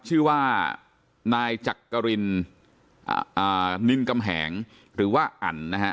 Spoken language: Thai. ชื่อว่านายจักรินนินกำแหงหรือว่าอันนะฮะ